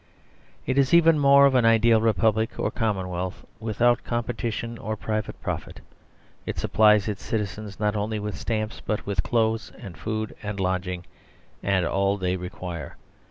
It is even more of an ideal republic, or commonwealth without competition or private profit. It supplies its citizens not only with the stamps but with clothes and food and lodging, and all they require.